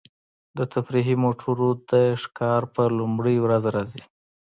دا تفریحي موټرونه د ښکار په لومړۍ ورځ راځي